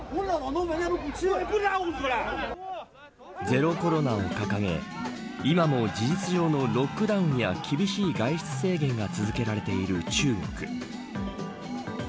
ゼロコロナを掲げ今も事実上のロックダウンや厳しい外出制限が続けられている中国。